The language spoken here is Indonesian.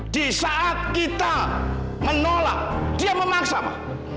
di saat kita menolak dia memaksa pak